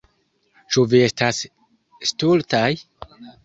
Ĉu vi estas stultaj?